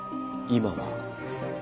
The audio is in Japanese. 今は？